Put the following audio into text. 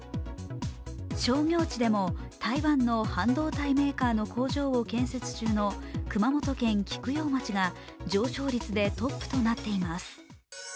商業地でも、台湾の半導体メーカーの工場を建設中の熊本県菊陽町が上昇率でトップとなっています